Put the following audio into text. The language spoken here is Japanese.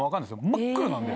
真っ暗なんで。